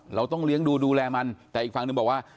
เราต้องเลี้ยงดูดูแลมันแต่อีกฝั่งหนึ่งบอกว่า